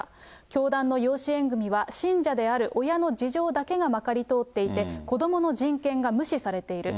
教団の養子縁組は、信者である親の事情だけがまかり通っていて、子どもの人権が無視されている。